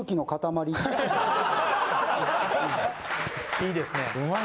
いいですね。